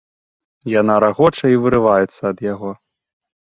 Яна рагоча і вырываецца ад яго.